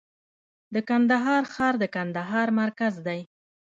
د کندهار ښار د کندهار مرکز دی